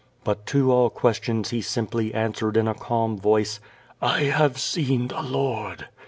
But to all questions he simply answered in a calm voice: "I have seen the Lord."